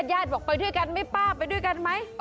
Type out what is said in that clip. แยดบอกไปด้วยกันมั้ยป้าไปด้วยกันไหม